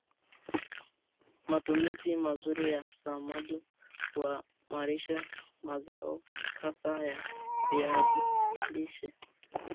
matumizi mazuri ya samadi huimarisha mazao hasa ya viazi lishe